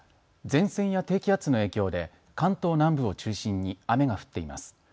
前線や低気圧の影響で関東南部を中心に雨が降っています。